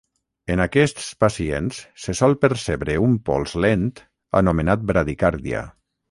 En aquests pacients se sol percebre un pols lent anomenat bradicàrdia.